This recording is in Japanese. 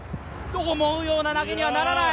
思うような投げにはならない。